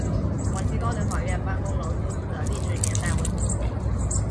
广西高等法院办公楼旧址的历史年代为民国。